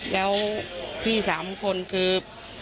แล้วพี่๓คนคือ